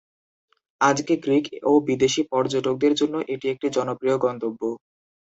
আজকে গ্রিক ও বিদেশী পর্যটকদের জন্য এটি একটি জনপ্রিয় গন্তব্য।